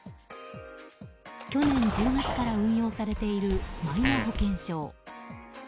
去年１０月から運用されているマイナ保険証。